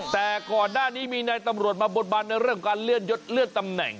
แต่ก่อนหน้านี้มีนายตำรวจมาบนบันในเรื่องการเลื่อนยดเลื่อนตำแหน่ง